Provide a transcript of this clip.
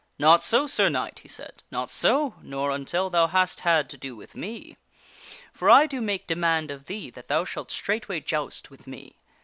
Not so,. Sir Knight," he said ;" not so, nor until thou hast had to do with me. For I do make demand of thee that thou shalt straightway joust with me.